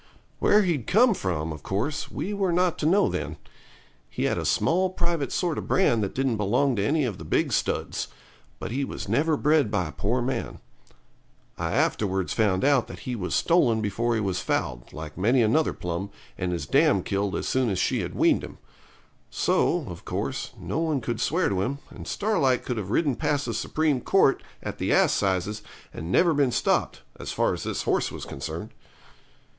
Where he'd come from, of course, we were not to know then. He had a small private sort of brand that didn't belong to any of the big studs; but he was never bred by a poor man. I afterwards found out that he was stolen before he was foaled, like many another plum, and his dam killed as soon as she had weaned him. So, of course, no one could swear to him, and Starlight could have ridden past the Supreme Court, at the assizes, and never been stopped, as far as this horse was concerned.